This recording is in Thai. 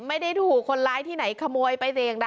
ไม่ได้ถูกคนร้ายที่ไหนขโมยไปไหน